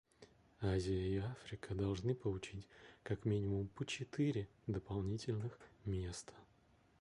Азия и Африка должны получить, как минимум, по четыре дополнительных места.